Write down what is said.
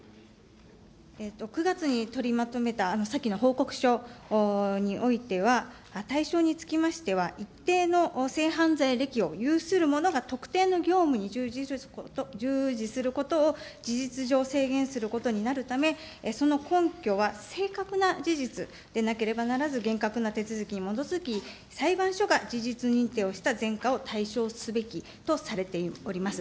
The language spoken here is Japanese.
９月に取りまとめた、先の報告書においては、対象につきましては、一定の性犯罪歴を有する者が特定の業務に従事することを、事実上、制限することになるため、その根拠は正確な事実でなければならず、厳格な手続きに基づき、裁判所が事実認定をした前科を対象すべきとされております。